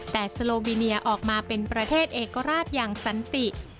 แต่สโลบิเนียออกมาเป็นประเทศเอกราชอย่างสันติ